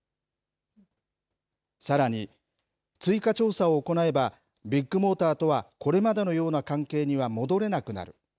さらに、追加調査を行えば、ビッグモーターとはこれまでのような関係には戻れなくなる。